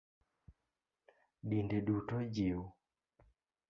Dinde duto jiw